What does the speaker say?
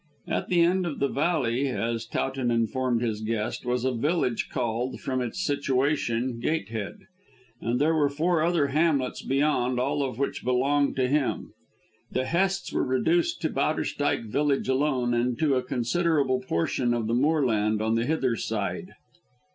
At the end of the valley as Towton informed his guest was a village called, from its situation, Gatehead, and there were four other hamlets beyond, all of which belonged to him. The Hests were reduced to Bowderstyke village alone and to a considerable portion of the moorland on the hither side.